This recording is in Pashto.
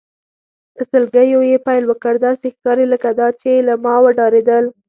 په سلګیو یې پیل وکړ، داسې ښکاري لکه دا چې له ما وډارېدل.